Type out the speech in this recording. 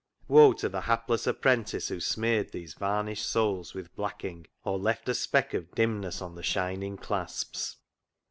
Woe to the hapless apprentice who smeared those varnished soles with black ing, or left a speck of dimness on the shining clasps.